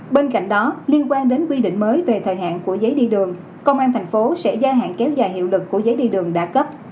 bên cạnh đó liên quan đến quy định mới về thời hạn của giấy đi đường công an thành phố sẽ gia hạn kéo dài hiệu lực của giấy đi đường đã cấp